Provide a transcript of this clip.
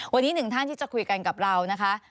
วันนี้หนึ่งท่านที่จะคุยกันกับเรานะคะ